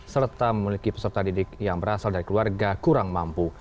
serta memiliki peserta didik yang berasal dari keluarga kurang mampu